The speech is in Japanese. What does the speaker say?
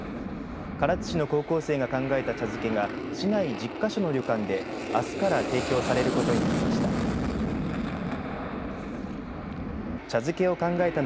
唐津市の高校生が考えた茶漬けが市内１０か所の旅館であすから提供されることになりました。